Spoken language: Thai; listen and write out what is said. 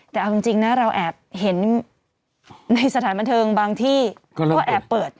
แต่เอาจริงนะเราแอบเห็นในสถานบันเทิงบางที่ก็แอบเปิด